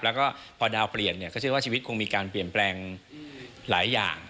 แล้วก็พอดาวเปลี่ยนเนี่ยก็เชื่อว่าชีวิตคงมีการเปลี่ยนแปลงหลายอย่าง